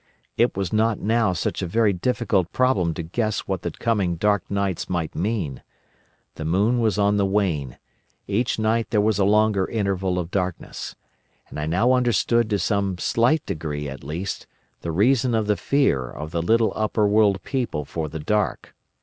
It was not now such a very difficult problem to guess what the coming Dark Nights might mean. The moon was on the wane: each night there was a longer interval of darkness. And I now understood to some slight degree at least the reason of the fear of the little Upperworld people for the dark.